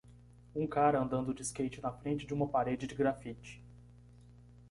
Um cara andando de skate na frente de uma parede de graffiti